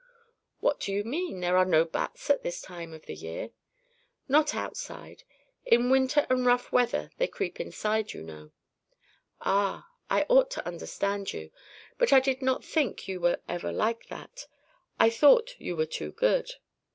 "What do you mean? There are no bats at this time of the year." "Not outside. In 'winter and rough weather' they creep inside, you know." "Ah! I ought to understand you. But I did not think you were ever like that. I thought you were too good."